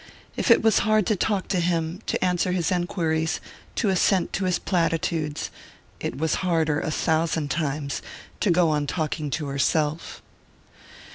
If it was hard to talk to him, to answer his enquiries, to assent to his platitudes, it was harder, a thousand times, to go on talking to herself....